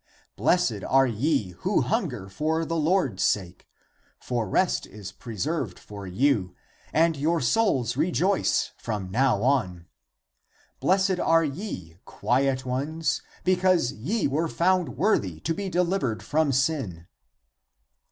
Blessed are ye who hunger for the Lord's sake, for rest is preserved for you, and your souls rejoice from now on. Blessed are ye quiet ones (because ye were found worthy) to be delivered from sin."